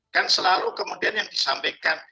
kan selalu kemudian yang disampaikan